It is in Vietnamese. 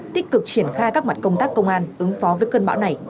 tích cực triển khai các mặt công tác công an ứng phó với cơn bão này